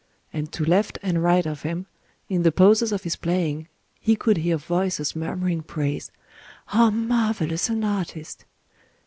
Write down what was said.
And to left and right of him, in the pauses of his playing, he could hear voices murmuring praise: "How marvelous an artist!"